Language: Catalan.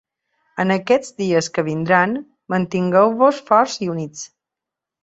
En aquests dies que vindran, mantingueu-vos forts i units.